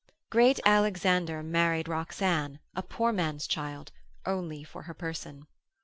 Great Alexander married Roxanne, a poor man's child, only for her person.